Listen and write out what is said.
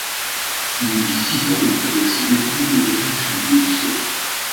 Il y vit six ans, avec son épouse d'origine russe.